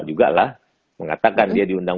juga lah mengatakan dia diundang